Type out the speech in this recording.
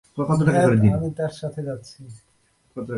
ধ্যাৎ আমি তার সাথে যাচ্ছি।